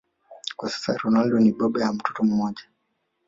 Kwa sasa Ronaldo ni baba wa mtoto mmoja